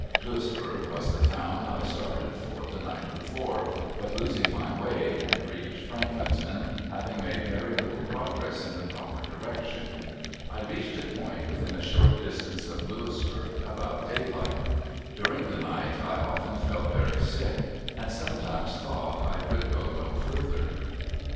Louisburg was the town I started for the night before, but, losing my way, had reached Franklinton, having made very little progress in the proper direction. I reached a point within a short distance of Louisburg about daylight. During the night I often felt very sick, and sometimes thought I could go no further.